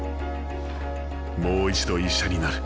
もう一度医者になる。